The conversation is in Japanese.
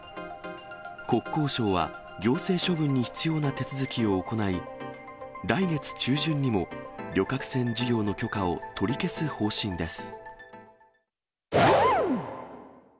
国交省は、行政処分に必要な手続きを行い、来月中旬にも旅客船事業の許可を取り消す方針です。